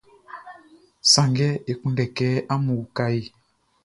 Sanngɛ e kunndɛ kɛ amun uka e.